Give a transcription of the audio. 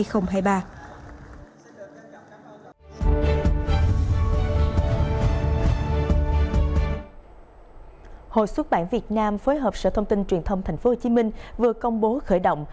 hội xuất bản việt nam phối hợp sở thông tin truyền thông tp hcm vừa công bố khởi động